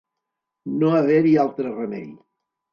No haver-hi altre remei.